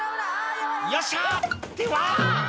「よっしゃ！ってわぁ！」